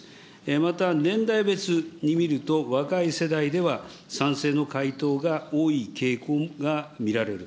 また、年代別に見ると、若い世代では賛成の回答が多い傾向が見られる。